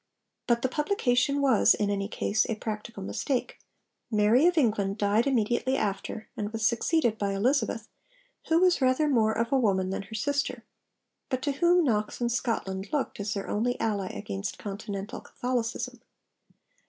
But the publication was, in any case, a practical mistake. Mary of England died immediately after, and was succeeded by Elizabeth, who was rather more of a woman than her sister, but to whom Knox and Scotland looked as their only ally against Continental Catholicism.